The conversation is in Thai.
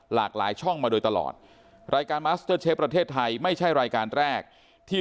หลากหลายช่องมาโดยตลอดรายการมัสเตอร์เชฟประเทศไทยไม่ใช่รายการแรกที่